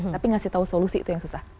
tapi ngasih tahu solusi itu yang susah